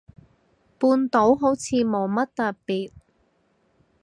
半島好似冇乜特別